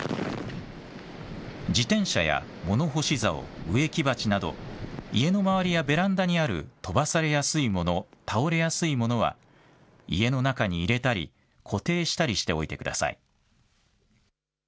自転車や物干しざお植木鉢など家の周りやベランダにある飛ばされやすい物倒れやすい物は家の中に入れたり固定したりしておいてください。